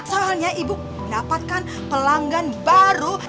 soalnya ibu mendapatkan pelanggan baru